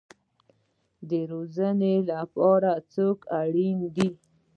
د روزنې لپاره څوک اړین دی؟